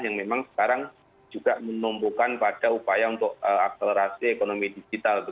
yang memang sekarang juga menumpukan pada upaya untuk akselerasi ekonomi digital